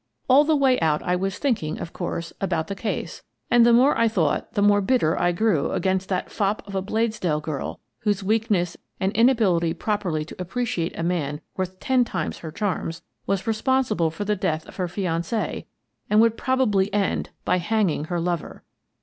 All the way out I was thinking, of course, about the case, and the more I thought the more bitter I grew against that fop of a Bladesdell girl whose weakness and inability properly to appreciate a man worth ten times her charms was responsible for the death of her fiance and would probably end by hanging her lover.